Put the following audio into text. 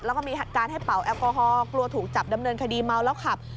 แล้วก็มีการให้เป่าแอลกอฮอลกลัวถูกจับดำเนินคดีเมาแล้วขับ